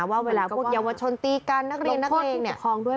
ว่าเวลาพวกเยาวชนตีกันนักเรียนนักเลงเนี่ย